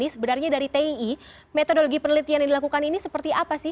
sebenarnya dari tii metodologi penelitian yang dilakukan ini seperti apa sih